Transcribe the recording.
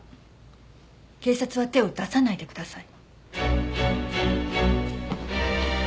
警察は手を出さないでください。